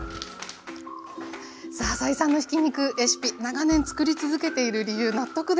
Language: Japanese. さあ斉さんのひき肉レシピ長年つくり続けている理由納得です。